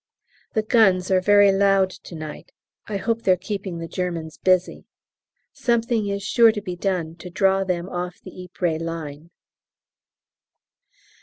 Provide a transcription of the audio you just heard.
The guns are very loud to night; I hope they're keeping the Germans busy; something is sure to be done to draw them off the Ypres line.